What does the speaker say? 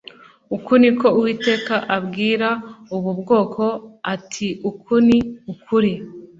Uku ni ko uwiteka abwira ubu bwoko ati uku ni ukuri